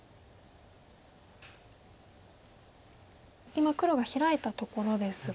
今黒がヒラいたところですが。